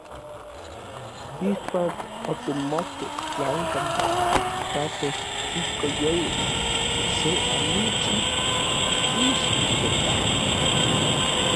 Ijkuak otemokej tlalpan, okitakej tlikoyoli, se amichij tlixko kajki.